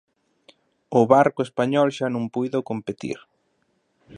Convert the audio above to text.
O Barco español xa non puido competir.